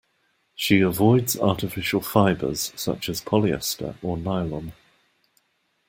She avoids artificial fibres such as polyester or nylon.